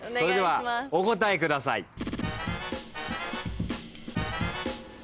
それではお答えください。